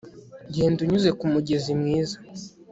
Genda unyuze kumugezi mwiza